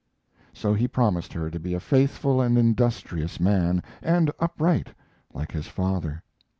So he promised her to be a faithful and industrious man, and upright, like his father.